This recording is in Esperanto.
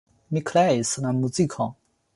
Mi kreis la muzikon.